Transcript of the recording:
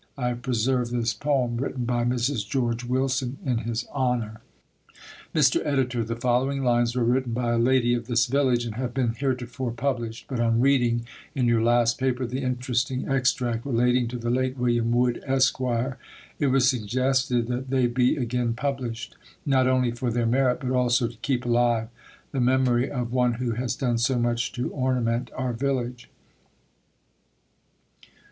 I have preserved this poem, written by Mrs. George Willson in his honor: Mr. Editor, The following lines were written by a lady of this village, and have been heretofore published, but on reading in your last paper the interesting extract relating to the late William Wood, Esq., it was suggested that they be again published, not only for their merit, but also to keep alive the memory of one who has done so much to ornament our village.